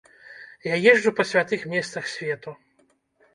Я езджу па святых месцах свету.